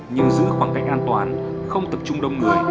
nhưng giữ khoảng cách an toàn không tập trung đông người